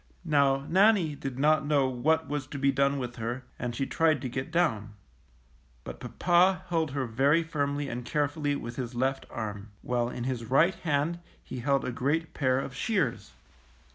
Now Nannie did not know what was to be done with her, and she tried to get down; but papa held her very firmly and carefully with his left arm, while in his right hand he held a great pair of shears.